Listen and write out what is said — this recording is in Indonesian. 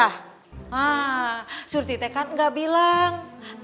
nah surti teh kan enggak bilang